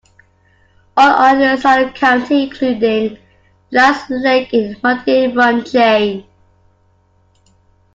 All Are In Salem County Including, The Last Lake in The Muddy Run Chain.